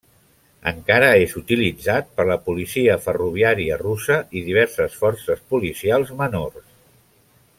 Encara és utilitzat per la Policia Ferroviària russa i diverses forces policials menors.